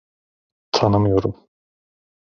Tanımıyorum.